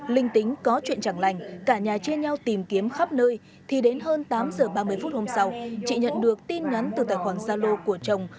linh tính có chuyện chẳng lành cả nhà chia nhau tìm kiếm khắp nơi thì đến hơn tám h ba mươi phút hôm sau chị nhận được tin nhắn từ tài khoản gia lô của chồng